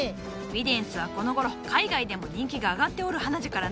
ビデンスはこのごろ海外でも人気が上がっておる花じゃからのう。